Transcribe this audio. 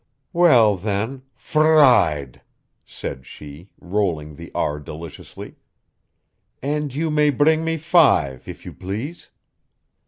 "Well, then, fr r ied!" said she, rolling the "r" deliciously. "And you may bring me five, if you please."